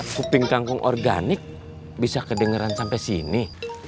kuping kangkung organik bisa kedengeran sampai sini